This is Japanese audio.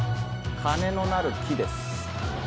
金のなる木です。